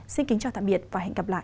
xin kính chào tạm biệt và hẹn gặp lại